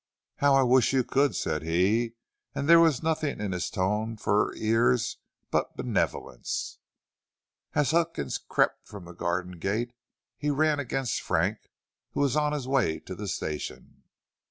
"How I wish you could!" said he, and there was nothing in his tone for her ears but benevolence. As Huckins crept from the garden gate he ran against Frank, who was on his way to the station.